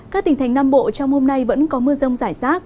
các tỉnh thành nam bộ trong hôm nay vẫn có mưa rông rải rác